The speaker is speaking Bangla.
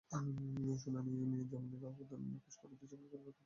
শুনানি নিয়ে জামিনের আবেদন নাকচ করে দুজনকে কারাগারে পাঠানোর আদেশ দেন আদালত।